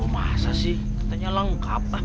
masa sih katanya lengkap